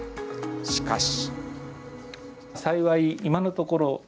しかし。